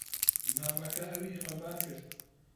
نامەکە ئەوی خەمبار کرد.